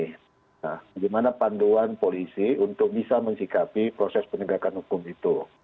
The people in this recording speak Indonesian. nah bagaimana panduan polisi untuk bisa mensikapi proses penegakan hukum itu